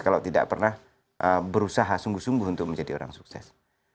kalau tidak pernah berusaha sungguh sungguh untuk menjadi orang sukses